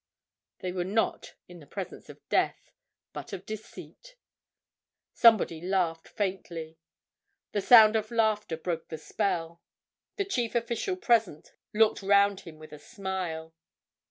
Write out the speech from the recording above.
They were not in the presence of death, but of deceit. Somebody laughed faintly. The sound of the laughter broke the spell. The chief official present looked round him with a smile.